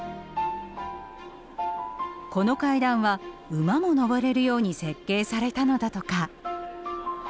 この階段は馬も上れるように設計されたのだとか。